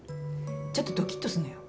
ちょっとドキッとすんのよ。